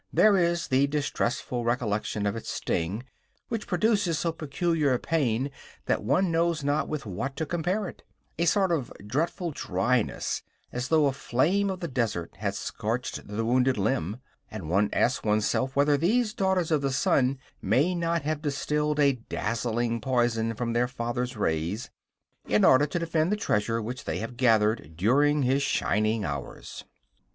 There is the distressful recollection of its sting, which produces so peculiar a pain that one knows not with what to compare it: a sort of dreadful dryness, as though a flame of the desert had scorched the wounded limb; and one asks oneself whether these daughters of the sun may not have distilled a dazzling poison from their father's rays, in order to defend the treasure which they have gathered during his shining hours.